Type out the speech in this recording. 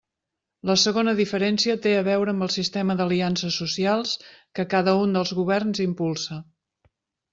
La segona diferència té a veure amb el sistema d'aliances socials que cada un dels governs impulsa.